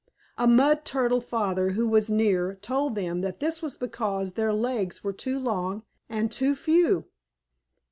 A Mud Turtle Father who was near, told them that this was because their legs were too long and too few.